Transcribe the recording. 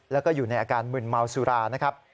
แล้วก็อยู่ในอาการมึนเมาสุรานะครับ